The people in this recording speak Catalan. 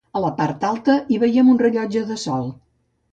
A la part alta hi veiem un rellotge de sol.